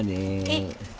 「えっ？